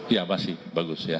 ya masih bagus ya